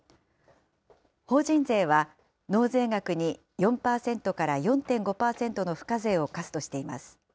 法人税は納税額に４％から４．５％の付加税を課すとしています。